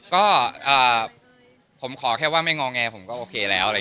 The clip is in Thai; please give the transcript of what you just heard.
ก็ผมขอแค่ว่าไม่งอแงผมก็โอเคแล้ว